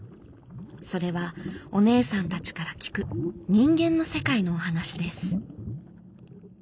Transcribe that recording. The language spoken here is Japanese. それはお姉さんたちから聞く人間の世界のお話です。